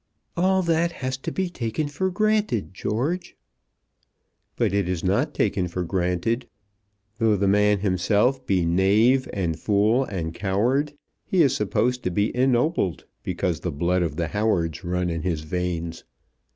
"All that has to be taken for granted, George." "But it is not taken for granted. Though the man himself be knave, and fool, and coward, he is supposed to be ennobled because the blood of the Howards run in his veins.